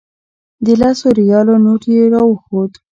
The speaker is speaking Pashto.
د لسو ریالو نوټ یې راښود.